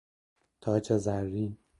تاج زرین